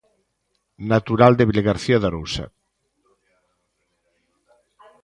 Natural de Vilagarcía de Arousa.